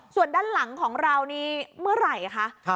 ส่วนด้านหลังของเรานี้เมื่อไหร่คะ